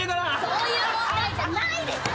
そういう問題じゃないでしょ。